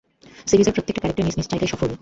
সিরিজের প্রত্যেকটা ক্যারেক্টার নিজ নিজ জায়গায় সফল।